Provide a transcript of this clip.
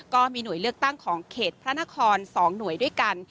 ก็มีหน่วยเลือกตั้งของเขตพระนคร๒หน่วยด้วยกัน